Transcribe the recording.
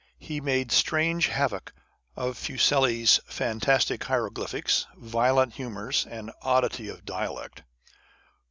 He made strange havoc of Fuseli's fantastic hieroglyphics, violent humours, and oddity of dialect.